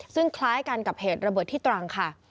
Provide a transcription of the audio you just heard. ซึ่งคล้ายกันกับเหตุระเบิดที่ตรังค่ะ